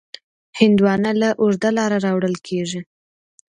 هندوانه له اوږده لاره راوړل کېږي.